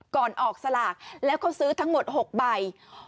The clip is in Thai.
ก่อนออกสลากแล้วเขาซื้อทั้งหมด๖ใบ